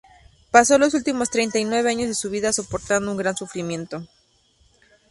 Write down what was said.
Pasó los últimos treinta y nueve años de su vida soportando un gran sufrimiento.